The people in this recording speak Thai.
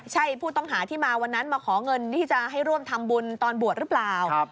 ใช่ผู้ต้องหาที่มาวันนั้นมาขอเงินที่จะให้ร่วมทำบุญตอนบวชหรือเปล่า